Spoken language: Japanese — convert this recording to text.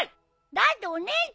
だってお姉ちゃんが！